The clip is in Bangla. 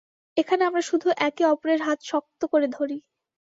এখানে আমরা শুধু একে অপরের হাত শক্ত করে ধরি।